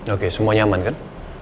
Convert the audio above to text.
oke semuanya aman kan